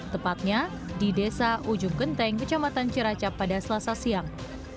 tepatnya di desa ujung genteng kecamatan ciracap pada selasa siang